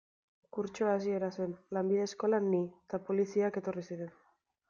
Kurtso hasiera zen, lanbide eskolan ni, eta poliziak etorri ziren.